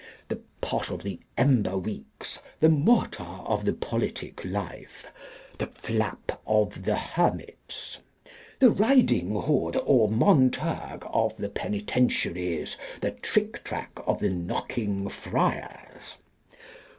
The Pot of the Ember weeks. The Mortar of the Politic Life. The Flap of the Hermits. The Riding hood or Monterg of the Penitentiaries. The Trictrac of the Knocking Friars.